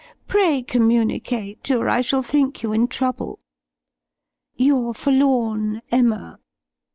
Pray communicate, or I shall think you in trouble. "Your forlorn EMMA."